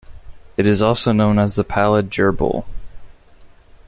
It is also known as the pallid gerbil.